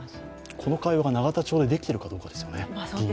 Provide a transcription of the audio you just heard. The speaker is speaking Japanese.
この会話が永田町でできているかどうかですね。